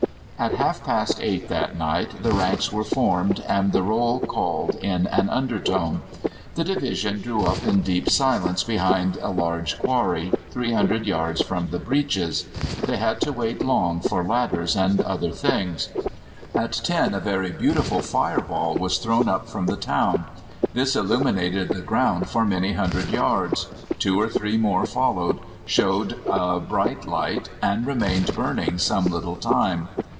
'" At half past eight that night the ranks were formed and the roll called in an undertone. The division drew up in deep silence behind a large quarry, 300 yards from the breaches. They had to wait long for ladders and other things. At ten a very beautiful fire ball was thrown up from the town. This illuminated the ground for many hundred yards. Two or three more followed, showed a bright light, and remained burning some little time.